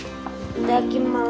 いただきます。